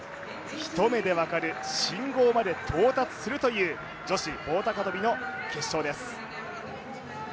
一目で分かる信号まで到達するという女子棒高跳の決勝です。